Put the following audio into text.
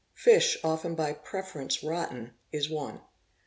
Fish, often by preference rotten, is one.